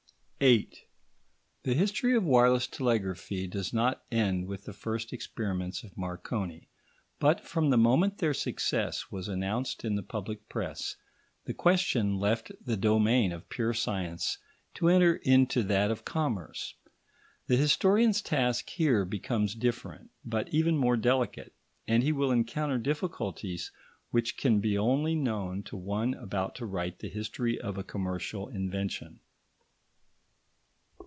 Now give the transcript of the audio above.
§ 8 The history of wireless telegraphy does not end with the first experiments of Marconi; but from the moment their success was announced in the public press, the question left the domain of pure science to enter into that of commerce. The historian's task here becomes different, but even more delicate; and he will encounter difficulties which can be only known to one about to write the history of a commercial invention.